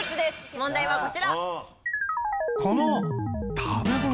問題はこちら。